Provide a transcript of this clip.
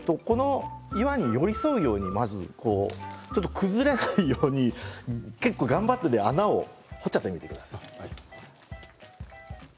岩に寄り添うようにまず、崩れないように頑張って穴を掘ってください。